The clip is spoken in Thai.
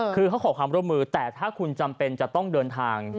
คือเขาขอความร่วมมือแต่ถ้าคุณจำเป็นจะต้องเดินทาง